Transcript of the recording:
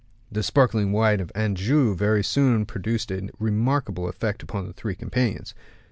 The sparkling wine of Anjou very soon produced a remarkable effect upon the three companions.